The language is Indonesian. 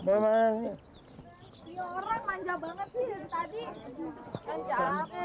ini orang manja banget sih dari tadi